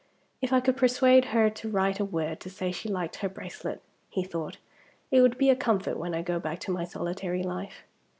"If I could persuade her to write a word to say she liked her bracelet," he thought, "it would be a comfort when I go back to my solitary life."